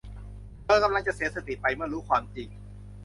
เธอกำลังจะเสียสติไปเมื่อรู้ความจริง